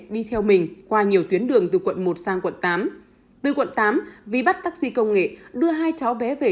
đi theo mình qua nhiều tuyến đường từ quận một sang quận tám từ quận tám vi bắt taxi công nghệ đưa hai cháu bé về